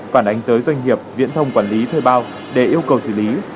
phản ánh tới doanh nghiệp viễn thông quản lý thuê bao để yêu cầu xử lý